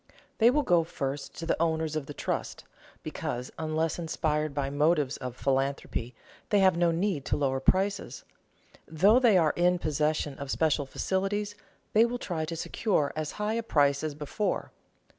They will go first to the owners of the trust, because, unless inspired by motives of philanthropy, they have no need to lower prices. Though they are in possession of special facilities, they will try to secure as high a price as before.